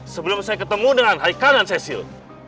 sebelum saya ketemu dengan haikal dan cecil